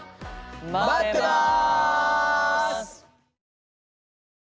まってます！